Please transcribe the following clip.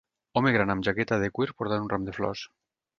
Home gran amb jaqueta de cuir portant un ram de flors.